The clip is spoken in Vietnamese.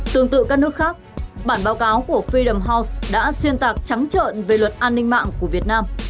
tương tự các nước khác bản báo cáo của fidam house đã xuyên tạc trắng trợn về luật an ninh mạng của việt nam